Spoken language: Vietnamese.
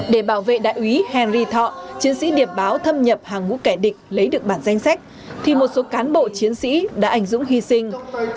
để bảo vệ đại úy henry thọ chiến sĩ điệp báo thâm nhập hàng ngũ kẻ địch lấy được bản danh sách thì một số cán bộ chiến sĩ đã ảnh dũng hy sinh